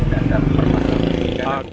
dan mendatangkan permasalahan